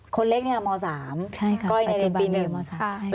คนเล็กเนี่ยม๓ใช่ค่ะปัจจุบันเรียนม๓ใช่ค่ะ